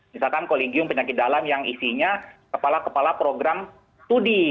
misalkan kolegium penyakit dalam yang isinya kepala kepala program studi